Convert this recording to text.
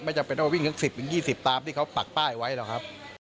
ไม่จ่าเป็นว่าวิ่งขึ้นสิบถึงยี่สิบตามที่เขาปลักป้ายไว้หรอครับ